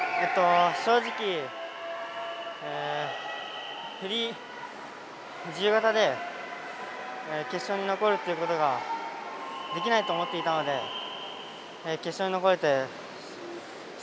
正直フリー自由形で決勝に残るっていうことができないと思っていたので決勝に残れてすごい驚きでした。